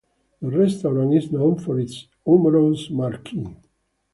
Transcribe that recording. The restaurant is known for its humorous marquee.